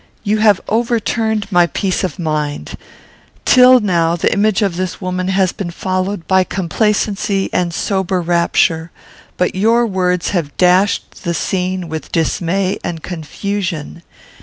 You have overturned my peace of mind. Till now the image of this woman has been followed by complacency and sober rapture; but your words have dashed the scene with dismay and confusion.